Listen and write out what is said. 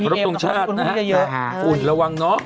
กลับตรงชาติน่ะฝุ่นระวังนะ